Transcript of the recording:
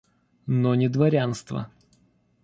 Но не дворянство.